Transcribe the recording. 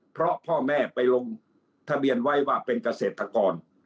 เพราะพ่อแม่ไปลงทะเบียนไว้ว่าเป็นเกษตรกร